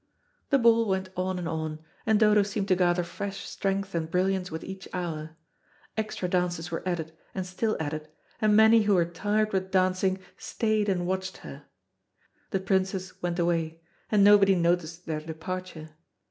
The ball went on and on, and Dodo seemed to gather fresh strength and brilliance with each hour. Extra dances were added and still added, and many who were tired with dancing stayed and watched her. The princes went away, and nobody noticed their departure.